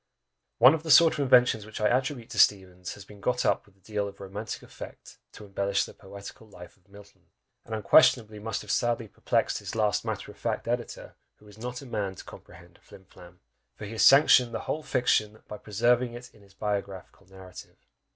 One of the sort of inventions which I attribute to Steevens has been got up with a deal of romantic effect, to embellish the poetical life of Milton; and unquestionably must have sadly perplexed his last matter of fact editor, who is not a man to comprehend a flim flam! for he has sanctioned the whole fiction, by preserving it in his biographical narrative!